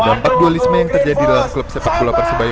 dampak dualisme yang terjadi dalam klub sepak bola persebaya